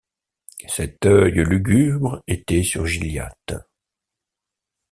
Cet œil lugubre était sur Gilliatt.